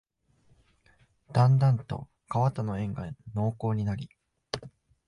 だんだんと川との縁が濃厚になり、